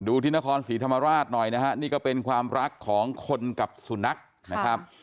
ที่นครศรีธรรมราชหน่อยนะฮะนี่ก็เป็นความรักของคนกับสุนัขนะครับ